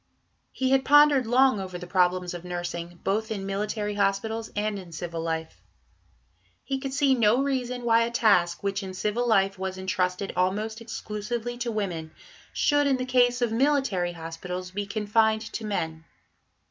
He had pondered long over the problems of nursing, both in military hospitals and in civil life. He could see no reason why a task, which in civil life was entrusted almost exclusively to women, should in the case of military hospitals be confined to men.